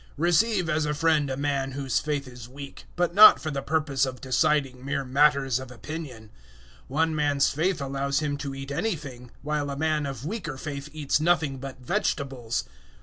Receive as a friend a man whose faith is weak, but not for the purpose of deciding mere matters of opinion. 014:002 One man's faith allows him to eat anything, while a man of weaker faith eats nothing but vegetables.